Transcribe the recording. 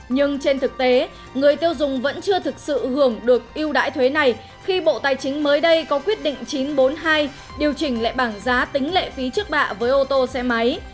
nhưng trên thực tế người tiêu dùng vẫn chưa thực sự hưởng được ưu đãi thuế này khi bộ tài chính mới đây có quyết định chín trăm bốn mươi hai điều chỉnh lại bảng giá tính lệ phí trước bạ với ô tô xe máy